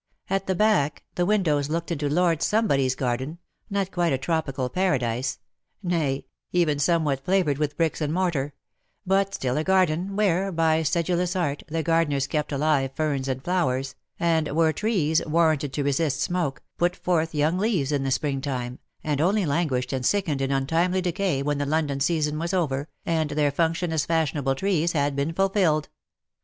At the back, the windows looked into Lord Somebody's garden — not quite a tropical paradise — nay, even somewhat flavoured with bricks and mortar — but still a garden, where, by sedulous art, the gardeners kept alive ferns and flowers, and where trees, warranted to resist smoke, put forth young leaves in the spring time, and only languished and sickened in untimely decay when the London season was over, and their function as fashionable trees had been fulfilled.